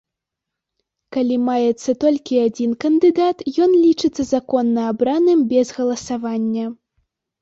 Калі маецца толькі адзін кандыдат, ён лічыцца законна абраным без галасавання.